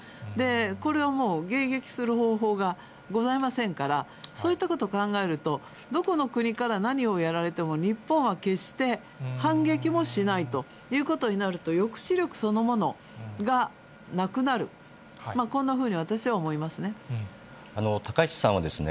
これはもう、迎撃する方法がございませんから、そういったことを考えると、どこの国から何をやられても日本は決して反撃もしないということになると、抑止力そのものがなくなる、こんなふうに私は思いますね。